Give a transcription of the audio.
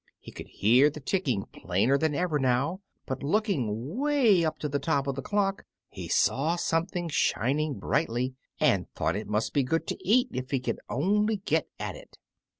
He could hear the ticking plainer than ever now, but looking way up to the top of the clock he saw something shining brightly, and thought it must be good to eat if he could only get at it.